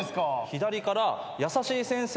左から優しい先生